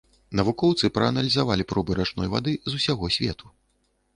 Навукоўцы прааналізавалі пробы рачной вады з усяго свету.